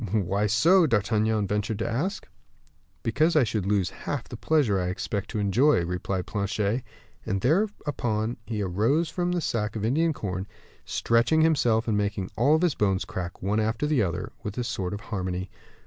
"Why so?" D'Artagnan ventured to ask. "Because I should lose half the pleasure I expect to enjoy," replied Planchet. And thereupon he rose from his sack of Indian corn, stretching himself, and making all his bones crack, one after the other, with a sort of harmony.